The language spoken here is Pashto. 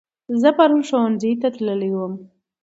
زه پرون ښوونځي ته تللی وم